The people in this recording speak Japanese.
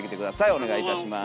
お願いいたします。